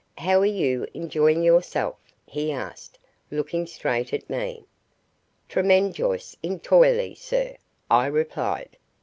"How are you enjoying yourself?" he asked, looking straight at me. "Treminjous intoirely, sor," I replied.